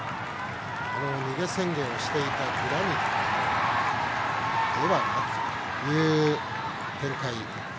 逃げ宣言をしていたグラニットではなくという展開。